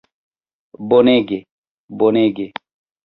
Bonege... bonege...